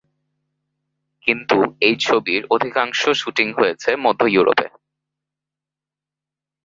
কিন্তু এই ছবির অধিকাংশ শ্যুটিং হয়েছে মধ্য ইউরোপে।